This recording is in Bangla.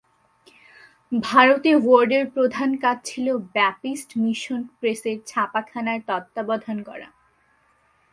ভারতে ওয়ার্ডের প্রধান কাজ ছিল ব্যাপ্টিস্ট মিশন প্রেসের ছাপাখানার তত্ত্বাবধান করা।